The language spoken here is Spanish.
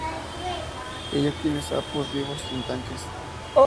Ella tiene sapos vivos en tanques".